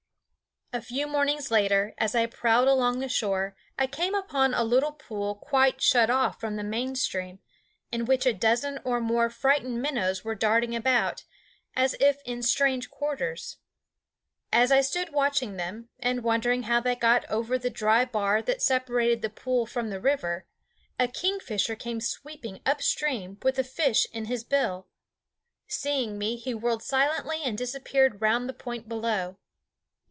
A few mornings later, as I prowled along the shore, I came upon a little pool quite shut off from the main stream, in which a dozen or more frightened minnows were darting about, as if in strange quarters. As I stood watching them and wondering how they got over the dry bar that separated the pool from the river, a kingfisher came sweeping up stream with a fish in his bill. Seeing me, he whirled silently and disappeared round the point below.